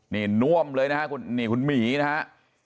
นี่น่วมเลยนะครับนี่คุณหมีนะฮะ